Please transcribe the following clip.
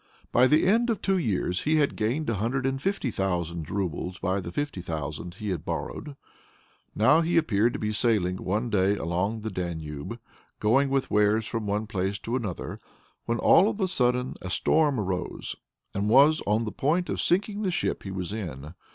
By the end of two years he had gained a hundred and fifty thousand roubles by the fifty thousand he had borrowed. Now he happened to be sailing one day along the Danube, going with wares from one place to another, when all of a sudden a storm arose, and was on the point of sinking the ship he was in.